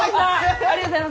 ありがとうございます！